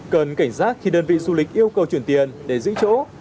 cần cảnh giác khi đơn vị du lịch yêu cầu chuyển tiền để giữ chỗ